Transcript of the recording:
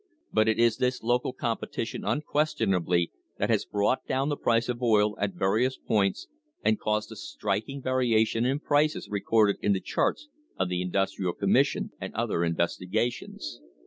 But it is this local competition, unquestionably, that has brought down the price of oil at various points and caused the strik ing variation in prices recorded in the charts of the Indus trial Commission and other investigations.